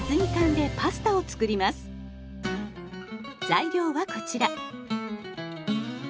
材料はこちら。